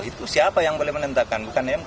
itu siapa yang boleh menentangkan